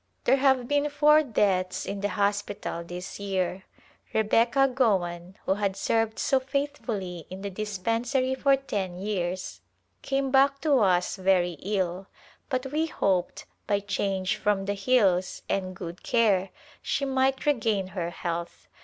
There have been four deaths in the hospital this year. Rebecca Gowan, who had served so faithfully in the dispensary for ten years, came back to us very ill, but we hoped, by change from the hills and good care, she might regain her health.